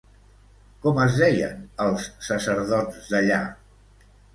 Com es deien els sacerdots d'allà?